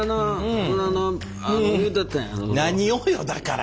何をよだから。